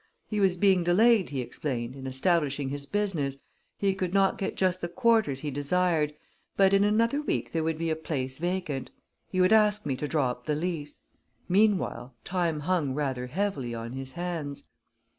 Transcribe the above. He was being delayed, he explained, in establishing his business; he could not get just the quarters he desired, but in another week there would be a place vacant. He would ask me to draw up the lease. Meanwhile, time hung rather heavily on his hands.